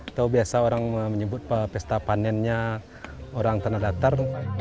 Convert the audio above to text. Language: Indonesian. atau biasa orang menyebut pesta panennya orang tanah datar